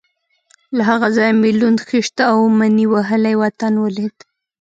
له هغه ځایه مې لوند، خېشت او مني وهلی وطن ولید.